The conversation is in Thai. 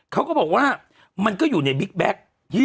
เขาก็บอกว่ามันก็อยู่ในบิ๊กแบคยี่สิบสี่ตัน